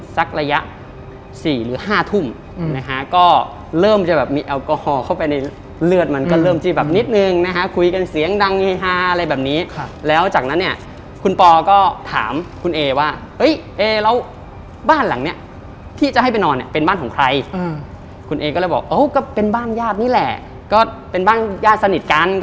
สักระยะ๔หรือ๕ทุ่มนะฮะก็เริ่มจะแบบมีแอลกอฮอล์เข้าไปในเลือดมันก็เริ่มที่แบบนิดนึงนะฮะคุยกันเสียงดังเฮฮาอะไรแบบนี้แล้วจากนั้นเนี่ยคุณปอก็ถามคุณเอว่าเฮ้ยเอแล้วบ้านหลังเนี้ยที่จะให้ไปนอนเนี่ยเป็นบ้านของใครคุณเอก็เลยบอกโอ้ก็เป็นบ้านญาตินี่แหละก็เป็นบ้านญาติสนิทกัน